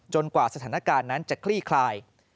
กว่าสถานการณ์นั้นจะคลี่คลาย